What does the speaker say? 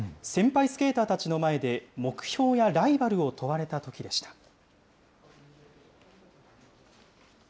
先輩スケーターたちの前で、目標やライバルを問われたときでした。